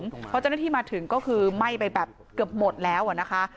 เพราะเจ้าหน้าที่มาถึงก็คือไหม้ไปแบบเกือบหมดแล้วนะคะ